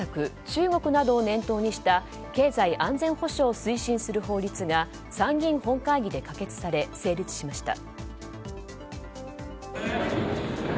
中国などを念頭にした経済、安全保障を推進する法律が参議院本会議で可決され成立しました。